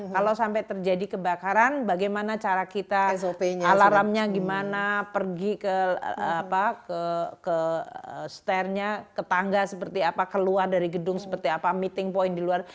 kalau sampai terjadi kebakaran bagaimana cara kita alarmnya gimana pergi ke ster nya ke tangga seperti apa keluar dari gedung seperti apa meeting point di luar